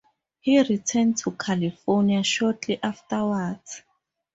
He returned to California shortly afterwards.